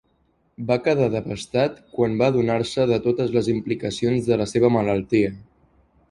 Va quedar devastat quan va adonar-se de totes les implicacions de la seva malaltia.